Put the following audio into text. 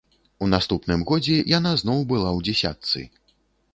У наступным годзе яна зноў была ў дзесятцы.